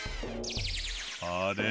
あれ？